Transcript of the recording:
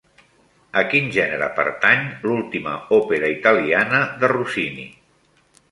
A quin gènere pertany l'última òpera italiana de Rossini?